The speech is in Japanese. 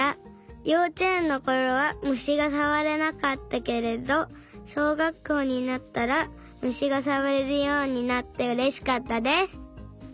ようちえんのころはむしがさわれなかったけれどしょうがっこうになったらむしがさわれるようになってうれしかったです。